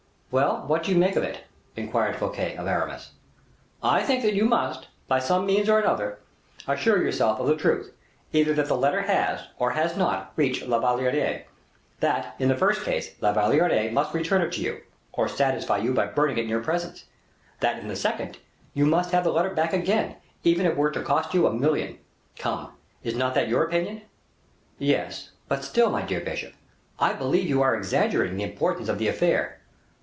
"Well, what do you think of it?" inquired Fouquet of Aramis. "I think that you must, by some means or another, assure yourself of the truth, either that the letter has, or has not, reached La Valliere; that, in the first case, La Valliere must return it to you, or satisfy you by burning it in your presence; that, in the second, you must have the letter back again, even were it to cost you a million. Come, is not that your opinion?" "Yes; but still, my dear bishop, I believe you are exaggerating the importance of the affair."